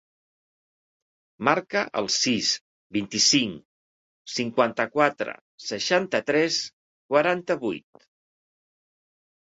Marca el sis, vint-i-cinc, cinquanta-quatre, seixanta-tres, quaranta-vuit.